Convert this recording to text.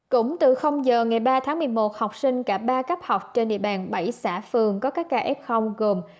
cũng từ giờ ngày ba tháng một mươi một học sinh cả ba cấp học trên địa bàn bảy xã phường có các ca f gồm